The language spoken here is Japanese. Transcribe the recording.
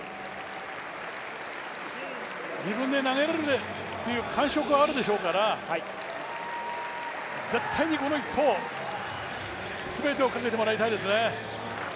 自分で投げれるという感触はあるでしょうから絶対にこの１投に全てをかけてもらいたいですね。